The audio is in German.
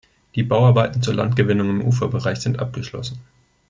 Die Bauarbeiten zur Landgewinnung im Uferbereich sind abgeschlossen.